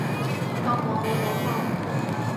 當我冇講過